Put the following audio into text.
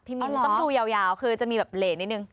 ต้องดูยาวคือจะมีเหล่านิดนึง